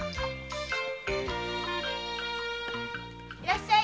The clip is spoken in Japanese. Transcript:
いらっしゃい。